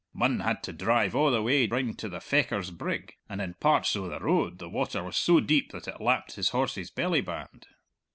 Munn had to drive a' the way round to the Fechars brig, and in parts o' the road the water was so deep that it lapped his horse's bellyband.